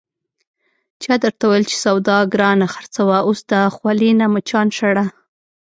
چا درته ویل چې سودا گرانه خرڅوه، اوس د خولې نه مچان شړه...